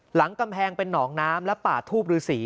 หลังกำแพงเป็นหนองน้ำและป่าทูบฤษี